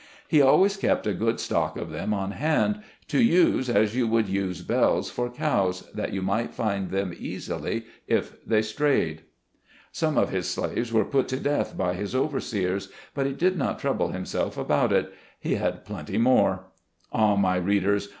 He always kept a good stock of them on hand, to use as you would use bells for cows, that you might find them easily, if they strayed. Some of his slaves were put to death by his over seers, but he did not trouble himself about it — he had plenty more. Ah, my readers